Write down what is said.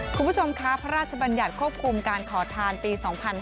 คุณผู้ชมคะพระราชบัญญัติควบคุมการขอทานปี๒๕๕๙